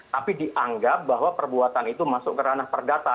tapi dianggap bahwa perbuatan itu masuk ke ranah perdata